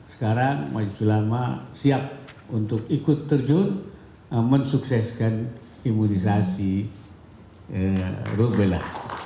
sekarang majelis ulama siap untuk ikut terjun mensukseskan imunisasi rubella